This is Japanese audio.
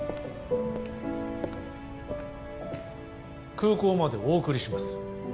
空港までお送りします